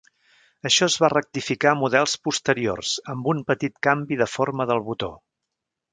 Això es va rectificar a models posteriors amb un petit canvi de forma del botó.